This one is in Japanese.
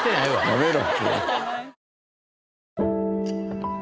やめろ。